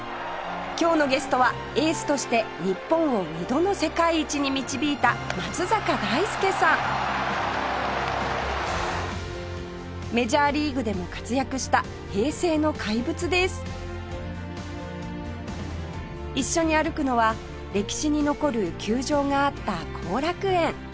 今日のゲストはエースとして日本を２度の世界一に導いた松坂大輔さんメジャーリーグでも活躍した平成の怪物です一緒に歩くのは歴史に残る球場があった後楽園